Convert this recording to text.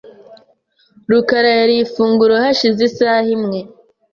rukara yariye ifunguro hashize isaha imwe .